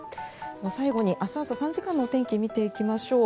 最後に明日朝３時間のお天気を見ていきましょう。